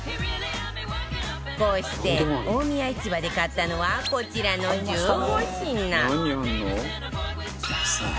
こうして大宮市場で買ったのはこちらの１５品さあ